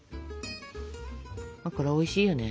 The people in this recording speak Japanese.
これはおいしいよね。